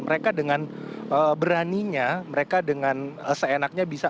mereka dengan beraninya mereka dengan seenaknya bisa